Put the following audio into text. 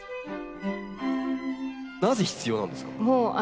なぜ必要なんですか？